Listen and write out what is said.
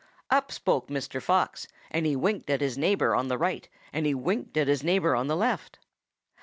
"Up spoke Mr. Fox and he winked at his neighbor on the right and he winked at his neighbor on the left.